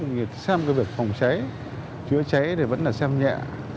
người xem việc phòng cháy chứa cháy thì vẫn là xem nhẹ